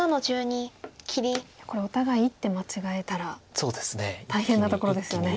これお互い一手間違えたら大変なところですよね。